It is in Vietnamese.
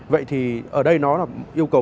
vậy thì ở đây nó là yêu cầu